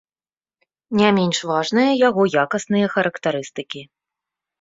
Не менш важныя яго якасныя характарыстыкі.